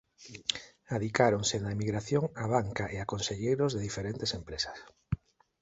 Adicáronse na emigración a banca e a conselleiros de diferentes empresas.